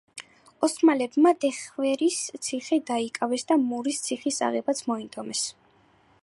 ოსმალებმა დეხვირის ციხე დაიკავეს და მურის ციხის აღებაც მოინდომეს.